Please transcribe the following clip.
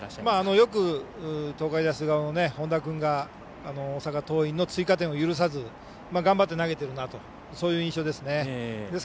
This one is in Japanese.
よく東海大菅生の本田君が大阪桐蔭の追加点を許さず頑張って投げてるなとそういう印象です。